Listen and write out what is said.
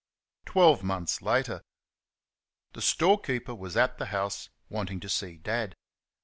Twelve months later. The storekeeper was at the house wanting to see Dad.